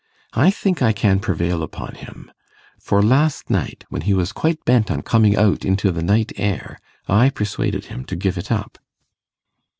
I think I can prevail upon him; for last night, when he was quite bent on coming out into the night air, I persuaded him to give it up.